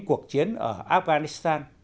cuộc chiến ở afghanistan